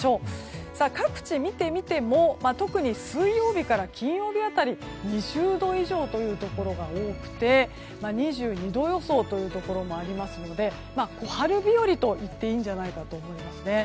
各地見てみても特に水曜日から金曜日辺り２０度以上というところが多くて２２度予想というところもありますので小春日和と言っていいんじゃないかと思います。